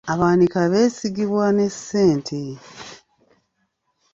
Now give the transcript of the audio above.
Abawanika beesigibwa ne ssente.